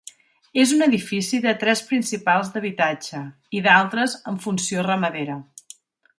És un edifici de tres principals d'habitatge, i d'altres amb funció ramadera.